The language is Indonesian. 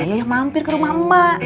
makanya yayo mampir ke rumah ma